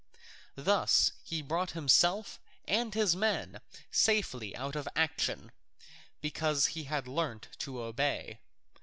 Thus he brought himself and his men safely out of action, because he had learnt to obey.